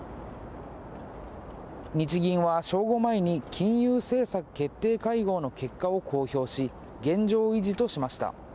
日銀は正午前に、金融政策決定会合の結果を公表し、現状維持としました。